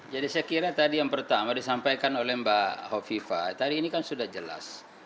jadi saya kira tadi yang pertama disampaikan oleh mbak kofi fahim tadi ini kan sudah jelas